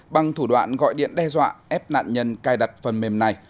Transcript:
bằng thủ đoạn gọi điện đe dọa ép nạn nhân cài đặt phần mềm này